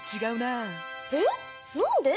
えっなんで？